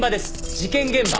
事件現場。